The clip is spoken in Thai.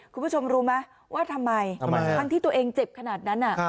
คุณผู้ชมรู้ไหมว่าทำไมทั้งที่ตัวเองเจ็บขนาดนั้น